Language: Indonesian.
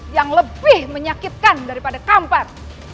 yang lebih menyakitkan daripada kampar